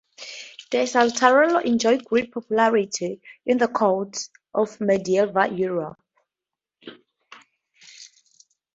The saltarello enjoyed great popularity in the courts of medieval Europe.